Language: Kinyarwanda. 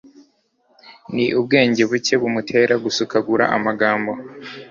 ni ubwenge buke bumutera gusukagura amagambo